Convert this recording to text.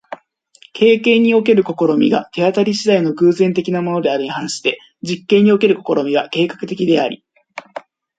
経験における試みが手当り次第の偶然的なものであるに反して、実験における試みは計画的であり、